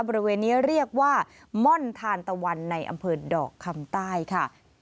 บริเวณนี้เรียกว่าม่อนทานตะวันในอำเภอดอกคำใต้ค่ะ